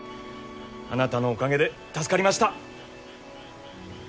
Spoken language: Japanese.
あなたのおかげで助かりました。